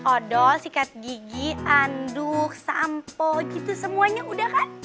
odol sikat gigi aduk sampo gitu semuanya udah kan